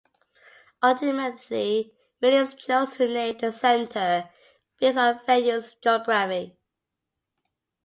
Ultimately Williams chose to name the centre based on the venue's geography.